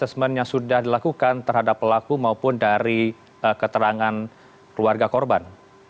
asesmen yang sudah dilakukan terhadap pelaku maupun dari keterangan keluarga korban